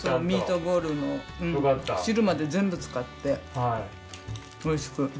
ミートボールの汁まで全部使って美味しく。